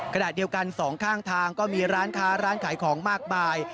ขณะเดียวกันสองข้างทางก็มีร้านค้าร้านขายของมากมาย